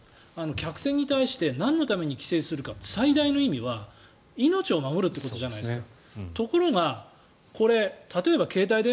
客船に対してなんのために規制するかって最大の意味は命を守るということじゃないですか。